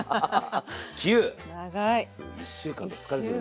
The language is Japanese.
１週間と２日ですよ